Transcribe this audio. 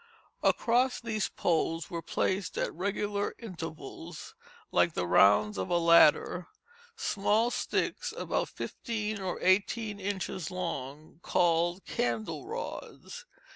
Across these poles were placed at regular intervals, like the rounds of a ladder, smaller sticks about fifteen or eighteen inches long, called candle rods.